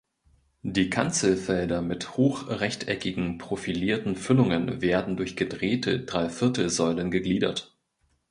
Die Kanzelfelder mit hochrechteckigen profilierten Füllungen werden durch gedrehte Dreiviertelsäulen gegliedert.